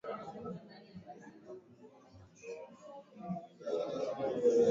lukwele wa pili wakati huo akiwa Gungulugwa wa Choma kwa maelekezo ya Baraza la